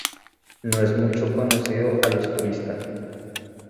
No es mucho conocido a los turistas.